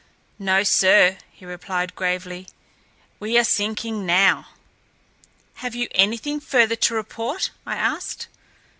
"No, sir," he replied gravely; "we are sinking now." "Have you anything further to report?" I asked.